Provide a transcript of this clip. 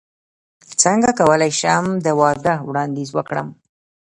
څنګه کولی شم د واده وړاندیز وکړم